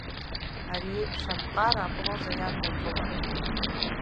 Ари еиԥш аԥҟара апроза иаднакылауам.